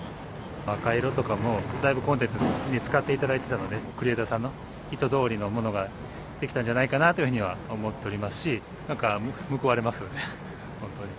赤色とかも、だいぶコンテンツに使っていただいてたんで、クリエイターさんの言ったとおりのものが出来たんじゃないかなというふうには思っておりますし、なんか報われますよね、本当に。